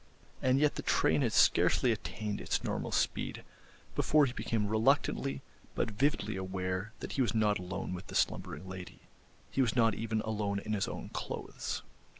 And yet the train had scarcely attained its normal speed before he became reluctantly but vividly aware that he was not alone with the slumbering lady; he was not even alone in his own clothes.